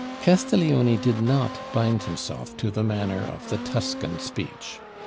Castiglione did not bind himself to the manner of the Tuscan speech.